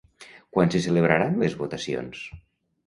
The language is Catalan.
Quan se celebraran les votacions?